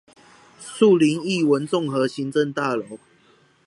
樹林藝文綜合行政大樓